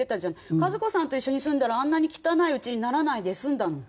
和子さんと一緒に住んだらあんなに汚いうちにならないで済んだのに。